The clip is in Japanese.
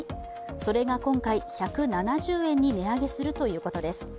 それが今回１７０円に値上げするということです。